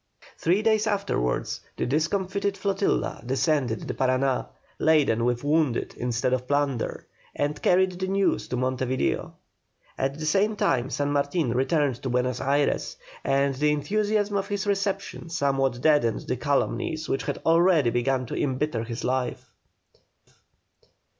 Three days afterwards, the discomfited flotilla descended the Parana, laden with wounded instead of plunder, and carried the news to Monte Video. At the same time San Martin returned to Buenos Ayres, and the enthusiasm of his reception somewhat deadened the calumnies which already began to embitter his life.